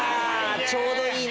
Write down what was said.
ちょうどいいな。